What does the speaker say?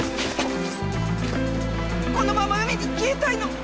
このまま海に消えたいの！